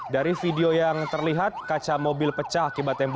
dari video yang terlihat kaca mobil pecah